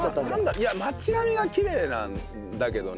いや街並みがきれいなんだけどね。